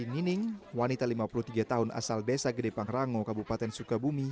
nining wanita lima puluh tiga tahun asal desa gede pangrango kabupaten sukabumi